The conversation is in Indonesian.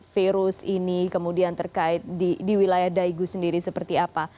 virus ini kemudian terkait di wilayah daegu sendiri seperti apa